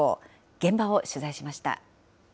現場を取材しました。